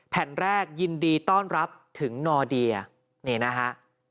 แผ่นแรกยินดีต้อนรับถึงนอเดียนี่นะฮะ